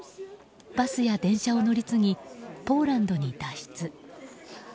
バスや電車を乗り継ぎポーランドに脱出。